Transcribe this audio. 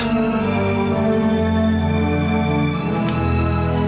saya ikut bapak